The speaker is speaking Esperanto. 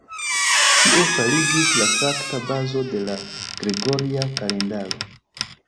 Tio fariĝis la fakta bazo de la gregoria kalendaro.